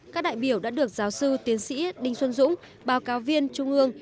các đại biểu đã được giáo sư tiến sĩ đinh xuân dũng báo cáo viên trung ương